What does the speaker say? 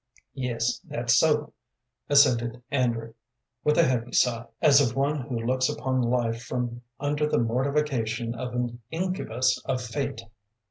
"Yes, that's so," assented Andrew, with a heavy sigh, as of one who looks upon life from under the mortification of an incubus of fate.